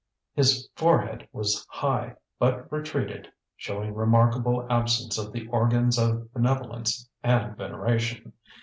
His forehead was high, but retreated, showing remarkable absence of the organs of benevolence and veneration.